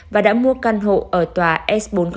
và đã mua căn hộ ở tòa s bốn trăm linh